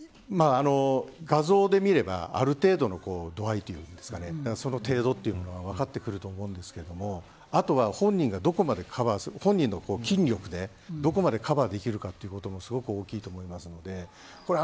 画像で見ればある程度の度合いというかその程度というのが分かってくると思うんですがあとは、本人がどこまでカバーするか本人の筋力でどこまでカバーできるかというところも非常に大きいと思います。